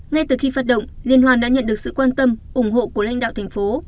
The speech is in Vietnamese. ngay từ khi phát động liên hoan đã nhận được sự quan tâm ủng hộ của lãnh đạo thành phố